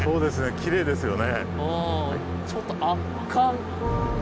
きれいですよね。